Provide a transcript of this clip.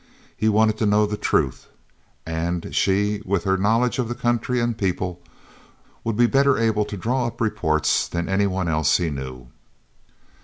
He wanted to know the truth, and she, with her knowledge of the country and people, would be better able to draw up reports than any one else he knew.